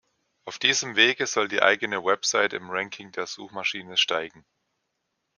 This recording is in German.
Auf diesem Wege soll die eigene Website im Ranking der Suchmaschine steigen.